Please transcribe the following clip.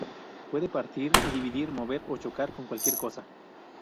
Puede partir y dividir, mover o chocar con cualquier cosa.